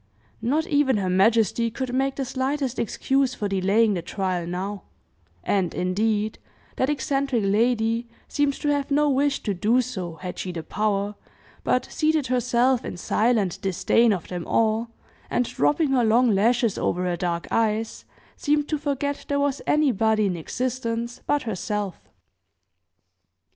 Not even her majesty could make the slightest excuse for delaying the trial now; and, indeed, that eccentric lady seemed to have no wish to do so, had she the power, but seated herself in silent disdain of them all, and dropping her long lashes over her dark eyes, seemed to forget there was anybody in existence but herself.